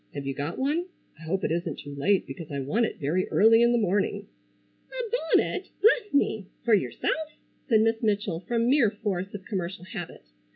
Have you got one? I hope it isn't too late because I want it very early in the morning." "A bonnet! Bless me! For yourself?" said Miss Mitchell from mere force of commercial habit.